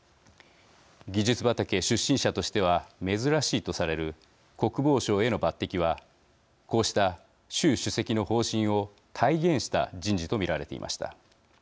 技術畑出身者としては珍しいとされる国防相への抜てきはこうした習主席の方針を体現した人事と見られていました。